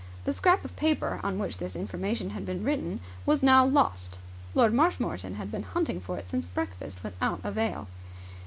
The scrap of paper on which this information had been written was now lost. Lord Marshmoreton had been hunting for it since breakfast without avail.